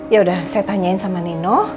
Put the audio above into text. yaudah saya tanyain sama nino